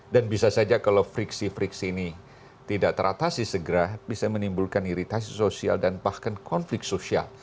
dan bisa saja kalau friksi friksi ini tidak teratasi segera bisa menimbulkan iritasi sosial dan bahkan konflik sosial